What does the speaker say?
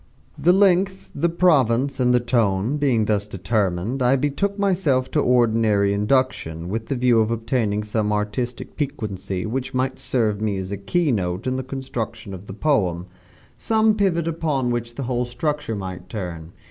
The length, the province, and the tone, being thus determined, I betook myself to ordinary induction, with the view of obtaining some artistic piquancy which might serve me as a key note in the construction of the poem some pivot upon which the whole structure might turn.